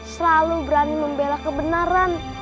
selalu berani membela kebenaran